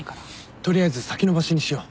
取りあえず先延ばしにしよう。